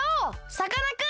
さかなクン！